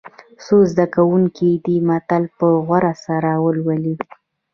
څو زده کوونکي دې متن په غور سره ولولي.